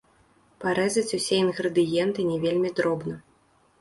Парэзаць усе інгрэдыенты не вельмі дробна.